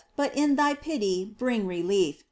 but in thy pity bring relief.